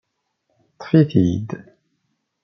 Ṭṭef-it-id!